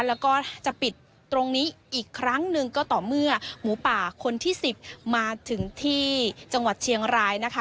แล้วก็จะปิดตรงนี้อีกครั้งหนึ่งก็ต่อเมื่อหมูป่าคนที่๑๐มาถึงที่จังหวัดเชียงรายนะคะ